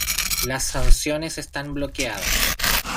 Las sanciones están bloqueadas.